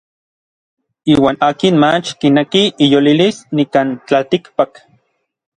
Iuan akin mach kineki iyolilis nikan tlaltikpak.